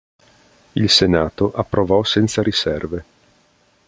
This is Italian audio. Il Senato approvò senza riserve.